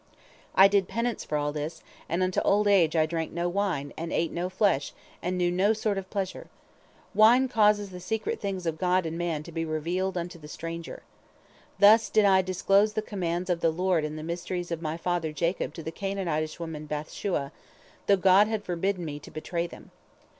I did penance for all this, and unto old age I drank no wine, and ate no flesh, and knew no sort of pleasure. Wine causes the secret things of God and man to be revealed unto the stranger. Thus did I disclose the commands of the Lord and the mysteries of my father Jacob to the Canaanite woman Bath shua, though God had forbidden me to betray them.